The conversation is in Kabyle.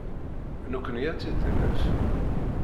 Nekkni ad tt-id-naf.